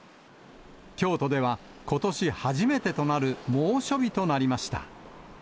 京都では、ことし初めてとなる猛暑日となりました。